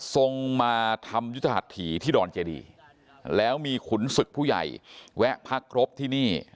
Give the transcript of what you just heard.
ทรงมาทำยุทธหัสถีที่ดอนเจดีแล้วมีขุนศึกผู้ใหญ่แวะพักครบที่นี่